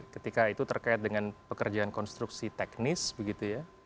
ketika itu terkait dengan pekerjaan konstruksi teknis begitu ya